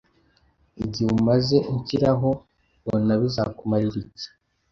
Igihe umaze unshyiraho ubona bizakumarira iki